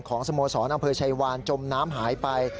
สโมสรอำเภอชัยวานจมน้ำหายไป